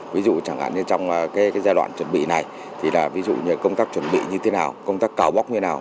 ví dụ trong giai đoạn chuẩn bị này công tác chuẩn bị như thế nào công tác cào bóc như thế nào